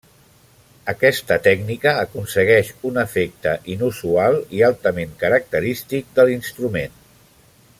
Aquesta tècnica aconsegueix un efecte inusual i altament característic de l'instrument.